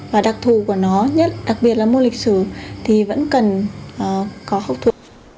và đặc thù của nó nhất đặc biệt là môn lịch sử thì vẫn cần có hậu thuộc